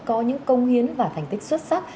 có những công hiến và thành tích xuất sắc